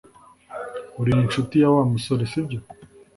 Uri inshuti ya Wa musore, sibyo?